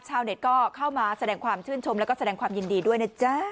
ชาวเน็ตก็เข้ามาแสดงความชื่นชมแล้วก็แสดงความยินดีด้วยนะจ๊ะ